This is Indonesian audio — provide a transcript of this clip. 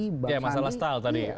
ya masalah style tadi